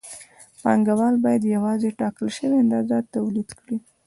پانګوال باید یوازې ټاکل شوې اندازه تولید کړي